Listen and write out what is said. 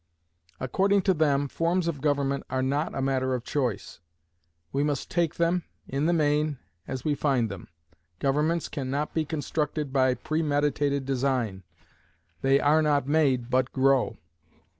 According to them, forms of government are not a matter of choice. We must take them, in the main, as we find them. Governments can not be constructed by premeditated design. They "are not made, but grow."